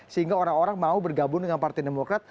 sehingga orang orang mau bergabung dengan partai demokrat